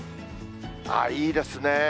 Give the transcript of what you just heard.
いいですね。